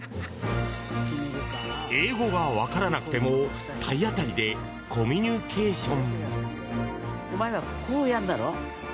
英語が分からなくても体当たりでコミュニケーション！